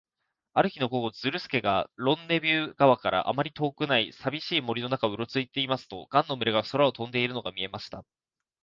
ある日の午後、ズルスケがロンネビュー川からあまり遠くない、さびしい森の中をうろついていますと、ガンの群れが空を飛んでいるのが見えました。